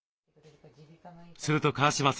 すると川嶋さん